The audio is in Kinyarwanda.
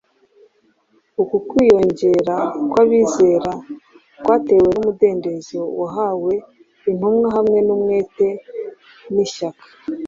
Uku kwiyongera kw’abizera kwatewe n’umudendezo wahawe intumwa hamwe n’umwete n’ishyaka